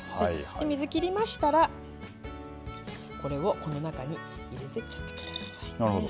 で水切りましたらこれをこの中に入れてっちゃってください。